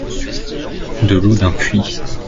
De l'eau d'un puits.